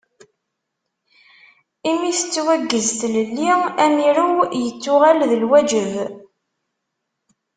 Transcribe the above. Imi tettwaggez tlelli, amirew yettuɣal d lwaǧeb.